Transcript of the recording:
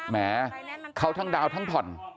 แหมเขาทั้งดาวทั้งผ่อน